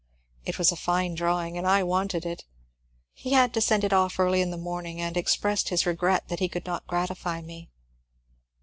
It was a fine drawing and I wanted it. He had to send it off early in the morning and expressed his regret that he could not gratify me.